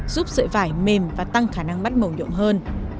giúp sợi vải mềm và tăng khả năng bắt màu nhuộm hơn